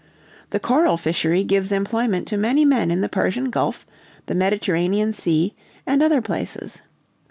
"The coral fishery gives employment to many men in the Persian Gulf, the Mediterranean Sea, and other places.